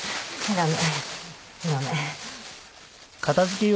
駄目。